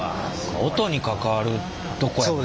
音に関わるとこやもんね。